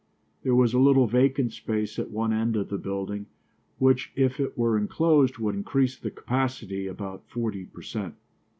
There was a little vacant space at one end of the building which if it were inclosed would increase the capacity about forty per cent.